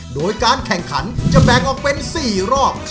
โดยการแข่งขันจะแบ่งออกเป็น๔รอบ